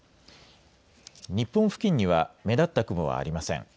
日本付近には目立った雲はありません。